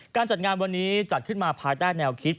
การจัดงานวันนี้จัดขึ้นมาภายใต้แนวคิด